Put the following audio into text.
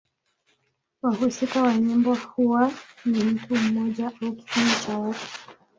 Wahusika wa nyimbo huwa ni mtu mmoja au kikundi cha watu.